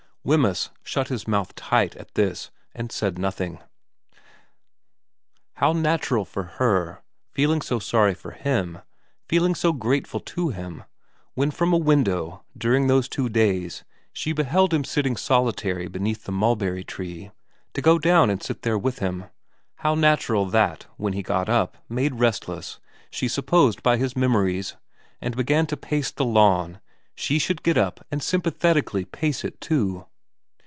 Wemyss shut his mouth tight at this and said nothing. How natural for her, feeling so sorry for him, feeling so grateful to him, when from a window during those two days she beheld him sitting solitary beneath the mulberry tree, to go down and sit there with him ; how natural that, when he got up, made restless, she supposed, by his memories, and began to pace the lawn, she should get up and sympathetically pace it too.